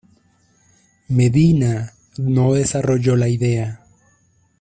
Medina no desarrolló la idea.